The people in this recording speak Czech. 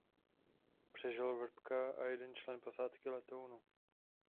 Přežil Vrbka a jeden člen posádky letounu.